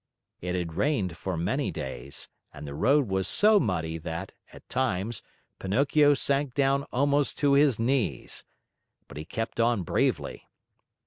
It had rained for many days, and the road was so muddy that, at times, Pinocchio sank down almost to his knees. But he kept on bravely.